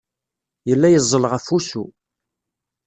Yella yeẓẓel ɣef wusu.